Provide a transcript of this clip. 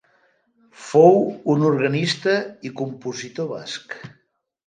Fou un organista i compositor basc.